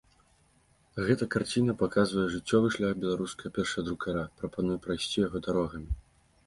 Гэта карціна паказвае жыццёвы шлях беларускага першадрукара, прапануе прайсці яго дарогамі.